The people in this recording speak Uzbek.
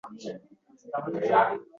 Bilsangiz, u qushning ko’zlari xuddi